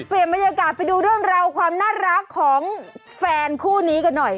บรรยากาศไปดูเรื่องราวความน่ารักของแฟนคู่นี้กันหน่อย